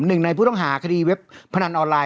หนึ่งในผู้ต้องหาคดีเว็บพนันออนไลน